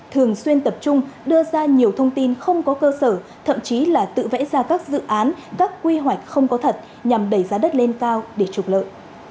thường xuyên tập trung đưa ra nhiều thông tin không có cơ sở thậm chí là tự vẽ ra các dự án các quy hoạch không có thật nhằm đẩy giá đất lên cao để trục lợi